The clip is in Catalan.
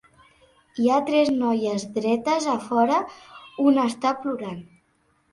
Hi ha tres noies dretes a fora, una està plorant.